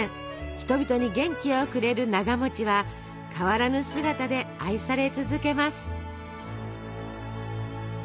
人々に元気をくれるながは変わらぬ姿で愛され続けます。